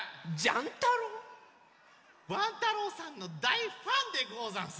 ワン太郎さんのだいファンでござんす！